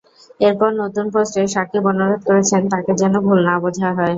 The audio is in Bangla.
এরপর নতুন পোস্টে সাকিব অনুরোধ করেছেন তাঁকে যেন ভুল না বোঝা হয়।